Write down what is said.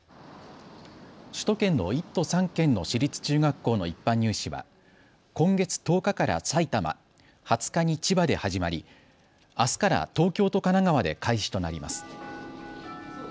首都圏の１都３県の私立中学校の一般入試は今月１０日から埼玉、２０日に千葉で始まりあすから東京と神奈川で開始となります。